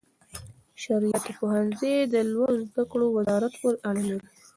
شرعیاتو پوهنځي د لوړو زده کړو وزارت پورې اړه لري.